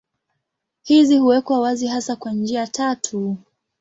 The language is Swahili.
Hizi huwekwa wazi hasa kwa njia tatu.